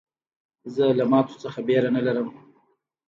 زه له ماتو څخه بېره نه لرم.